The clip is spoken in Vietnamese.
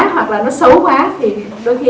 hoặc là nó xấu quá thì đôi khi